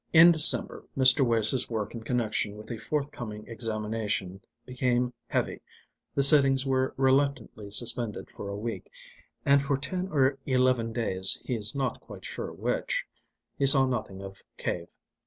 In December Mr. Wace's work in connection with a forthcoming examination became heavy, the sittings were reluctantly suspended for a week, and for ten or eleven days he is not quite sure which he saw nothing of Cave.